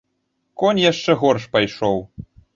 Конь яшчэ горш пайшоў.